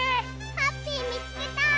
ハッピーみつけた！